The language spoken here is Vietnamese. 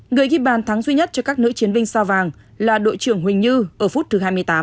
người ghi bàn thắng duy nhất cho các nữ chiến binh sao vàng là đội trưởng huỳnh như ở phút thứ hai mươi tám